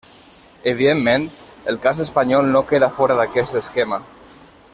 Evidentment, el cas espanyol no queda fora d'aquest esquema.